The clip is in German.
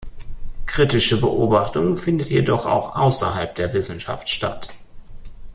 Kritische Beobachtung findet jedoch auch außerhalb der Wissenschaft statt.